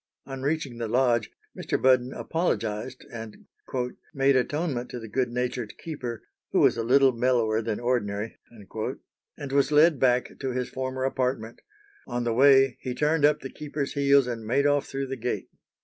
On reaching the lodge Mr. Budden apologized and "made atonement to the good natured keeper, who was a little mellower than ordinary," and was led back to his former apartment; on the way he turned up the keeper's heels and made off through the gate.